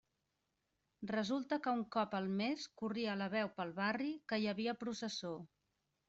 Resulta que un cop al mes corria la veu pel barri que hi havia processó.